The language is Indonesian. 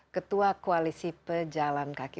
ketua koalisi pejalan kaki